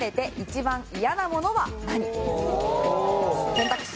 選択肢